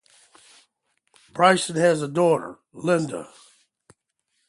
Bryson has a daughter, Linda.